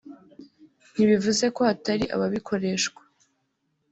ntibivuze ko hatari ababikoreshwa